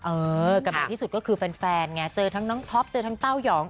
เออกับในที่สุดก็คือแฟนไงเจอทั้งน้องท็อปเจอทั้งเต้ายอง